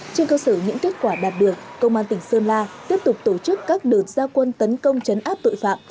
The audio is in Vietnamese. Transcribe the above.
trên cơ sở những kết quả đạt được công an tỉnh sơn la tiếp tục tổ chức các đợt gia quân tấn công chấn áp tội phạm